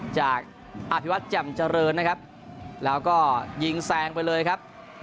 จากอภิวัตรแจ่มเจริญนะครับแล้วก็ยิงแซงไปเลยครับ